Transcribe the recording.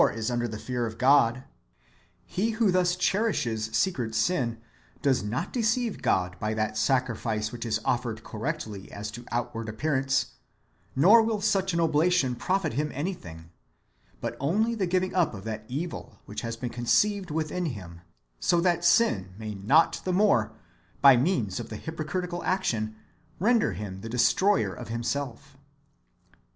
433 is under the fear of God ;— he who thus cherishes secret sin does not deceive God by that sacrifice which is offered cor rectly as to outward appearance ; nor will such an oblation profit him anything, but [only] the giving up of that evil which has been conceived within him, so that sin may not the more, by means of the hypocritical action, render him the destroyer of himself.